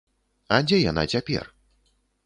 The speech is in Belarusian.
А дзе яна цяпер?